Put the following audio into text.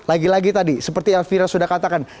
lagi lagi tadi seperti elvira sudah katakan